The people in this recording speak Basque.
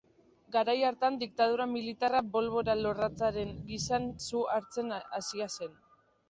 Garai hartan diktadura militarra bolbora-lorratzaren gisan su hartzen hasia zen.